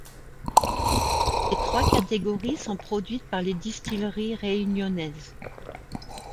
Ces trois catégories sont produites par les distilleries réunionnaises.